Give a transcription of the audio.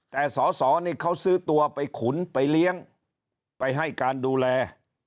แต่สอสอนี่เขาซื้อตัวไปขุนไปเลี้ยงไปให้การดูแล